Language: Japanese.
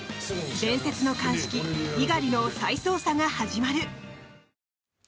伝説の鑑識・猪狩の再捜査が始まる！